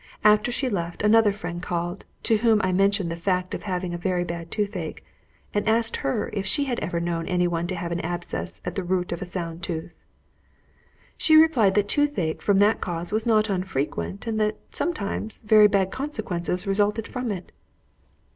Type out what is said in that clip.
After she left another friend called, to whom I mentioned the fact of having a very bad tooth ache, and asked her if she had ever known any one to have an abscess at the root of a sound tooth. She replied that tooth ache from that cause was not unfrequent, and that, sometimes, very bad consequences resulted from it.